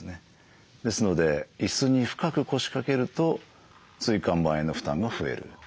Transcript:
ですので椅子に深く腰かけると椎間板への負担が増える。